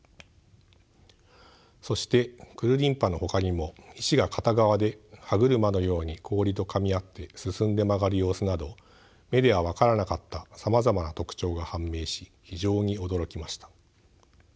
そしてクルリンパのほかにも石が片側で歯車のように氷とかみ合って進んで曲がる様子など目では分からなかったさまざまな特徴が判明し非常に驚きました。